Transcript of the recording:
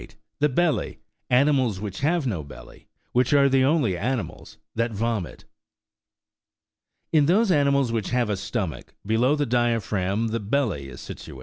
THE BELLY: ANIMALS WHICH HAVE NO BELLY. WHICH ABE THE ONLY ANIMALS THAT VOMIT. In those animals which have a stomach, below the diaphragm the belly is situate.